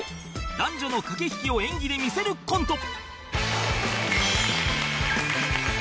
男女の駆け引きを演技でみせるコント